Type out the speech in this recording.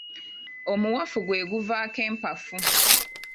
Omuwafu gwe guvaako empafu.